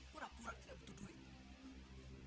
pura pura tidak butuh duit